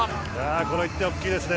この１点は大きいですね。